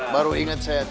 baru inget saya deh